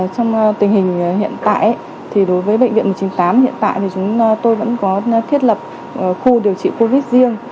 trong tình hình hiện tại thì đối với bệnh viện một mươi chín tháng tám hiện tại thì chúng tôi vẫn có thiết lập khu điều trị covid riêng